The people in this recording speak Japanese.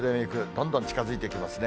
どんどん近づいてきますね。